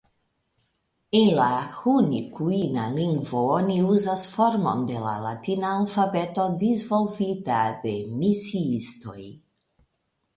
En la hunikuina lingvo oni uzas formon de la latina alfabeto disvolvita de misiistoj.